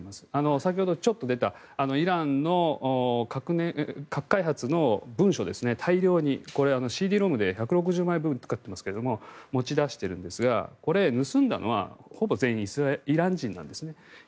先ほど、ちょっと出たイランの核開発の文書大量に、これはＣＤ−ＲＯＭで１６０枚以上入っていますが持ち出しているんですが盗んだのはほぼ全員イラン人なんですね。